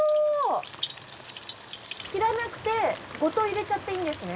切らなくてごと入れちゃっていいんですね。